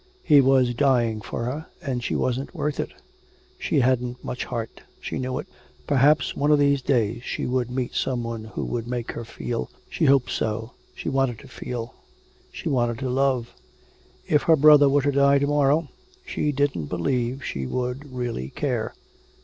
He was dying for her, and she wasn't worth it. She hadn't much heart; she knew it, perhaps one of these days she would meet some one who would make her feel. She hoped so, she wanted to feel. She wanted to love; if her brother were to die to morrow, she didn't believe she would really care.